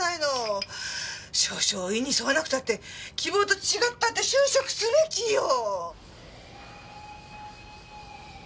少々意に添わなくたって希望と違ったって就職すべきよ！